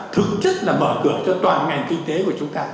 thực chất là mở cửa cho toàn ngành kinh tế của chúng ta